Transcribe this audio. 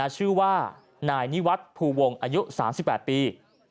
ชื่อว่านายนิวัฒน์ภูวงอายุ๓๘ปี